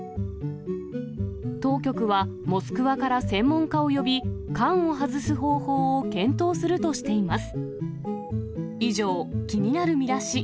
当局は、モスクワから専門家を呼び、缶を外す方法を検討するとしています。